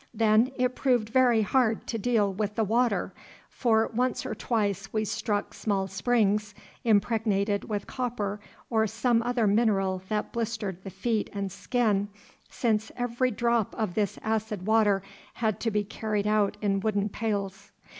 Then it proved very hard to deal with the water, for once or twice we struck small springs impregnated with copper or some other mineral that blistered the feet and skin, since every drop of this acid water had to be carried out in wooden pails.